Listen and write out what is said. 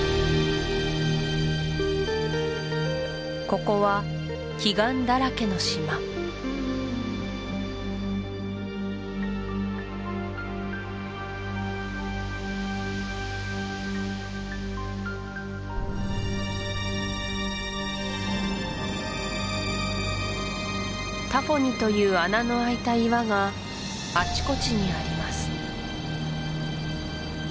ここは奇岩だらけの島タフォニという穴の開いた岩があちこちにあります